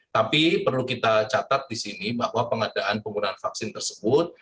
tapi perlu kita catat di sini bahwa pengadaan penggunaan vaksin tersebut